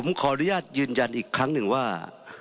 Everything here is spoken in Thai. ผมขออนุญาตยืนยันอีกครั้งหนึ่งว่า